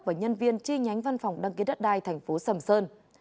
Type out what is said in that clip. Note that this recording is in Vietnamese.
và nhân viên chi nhánh văn phòng đăng ký đất đai tp sầm sơn